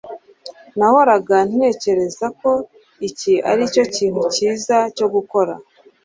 nahoraga ntekereza ko iki aricyo kintu cyiza cyo gukora